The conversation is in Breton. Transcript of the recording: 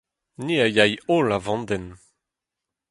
Ni a yay holl a-vandenn.